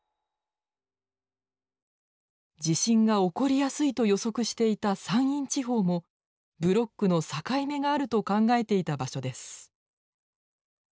地震が起こりやすいと予測していた山陰地方もブロックの境目があると考えていた場所です。